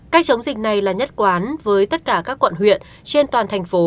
cách chống dịch này là nhất quán với tất cả các quận huyện trên toàn thành phố